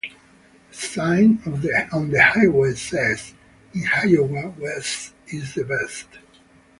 A sign on the highway says "In Iowa, West Is The Best".